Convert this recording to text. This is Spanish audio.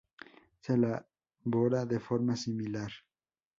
Se elabora de forma similar.